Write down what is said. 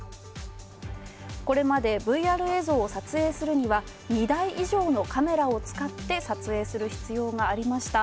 これまでＶＲ映像を撮影するには２台以上のカメラを使って撮影する必要がありました。